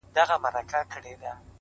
چي ته راځې تر هغو خاندمه؛ خدایان خندوم؛